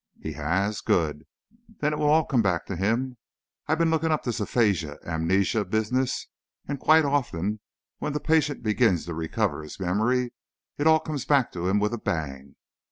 "He has? Good! Then it will all come back to him. I've been looking up this aphasia amnesia business, and quite often when the patient begins to recover his memory, it all comes back to him with a bang!